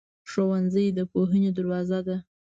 ښوونځی د پوهې دروازه ده.